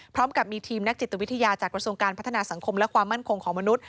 พร้อมกับมีทีมนักจิตวิทยาจากกระทรวงการพัฒนาสังคมและความมั่นคงของมนุษย